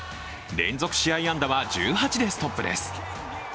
連続試合安打は１８でストップです。